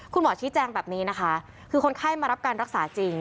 คุณหมอชี้แจงแบบนี้นะคะคือคนไข้มารับการรักษาจริง